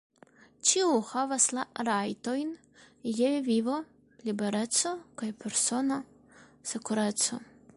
Ĉiu havas la rajtojn je vivo, libereco kaj persona sekureco.